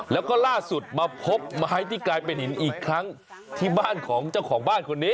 แล้วก็ล่าสุดมาพบไม้ที่กลายเป็นหินอีกครั้งที่บ้านของเจ้าของบ้านคนนี้